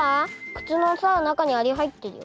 靴のさ中にアリ入ってるよ。